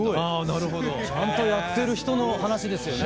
すごい！ちゃんとやってる人の話ですよね。